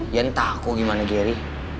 ian takut gimana gary